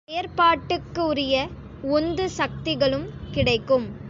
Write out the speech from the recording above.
செயற்பாட்டுக்குரிய உந்து சக்திகளும் கிடைக்கும்.